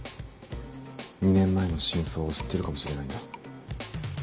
２年前の真相を知ってるかもしれないんだ。